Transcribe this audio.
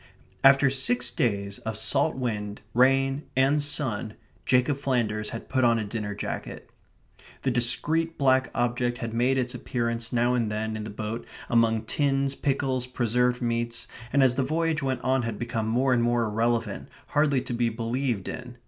After six days of salt wind, rain, and sun, Jacob Flanders had put on a dinner jacket. The discreet black object had made its appearance now and then in the boat among tins, pickles, preserved meats, and as the voyage went on had become more and more irrelevant, hardly to be believed in.